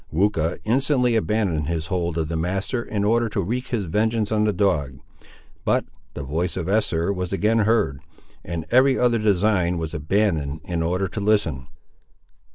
Weucha instantly abandoned his hold of the master in order to wreak his vengeance on the dog. But the voice of Esther was again heard, and every other design was abandoned in order to listen.